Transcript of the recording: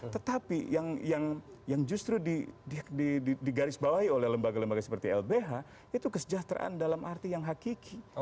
tetapi yang justru digarisbawahi oleh lembaga lembaga seperti lbh itu kesejahteraan dalam arti yang hakiki